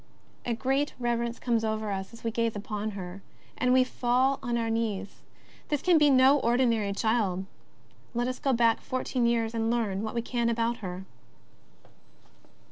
A great reverence comes over us as we gaze upon her, and v^e fall on our knees. This can be no ordinary child. Let us go back four teen years and learn what we can about her.